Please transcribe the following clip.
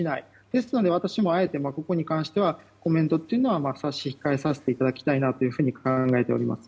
ですので、私もあえてここに関してはコメントは差し控えさせていただきたいなと考えています。